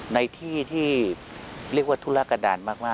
ในที่ที่เรียกว่าธุระกระดานมาก